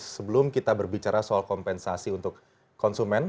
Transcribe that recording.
sebelum kita berbicara soal kompensasi untuk konsumen